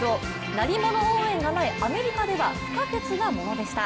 鳴り物応援がないアメリカでは不可欠なものでした。